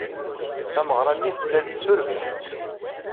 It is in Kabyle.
Tameɣra-nni tella-d d turbiḥt.